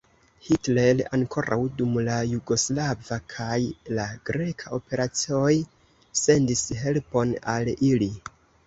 Hitler ankoraŭ dum la jugoslava kaj la greka operacoj sendis helpon al ili.